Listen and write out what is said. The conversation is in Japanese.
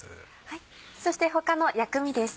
そして他の薬味です。